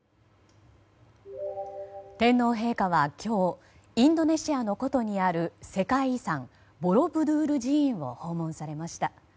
天皇陛下は今日インドネシアの古都にある世界遺産ボロブドゥール寺院を訪問されました。